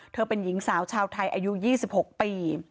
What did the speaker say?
เป็นหญิงสาวชาวไทยอายุ๒๖ปี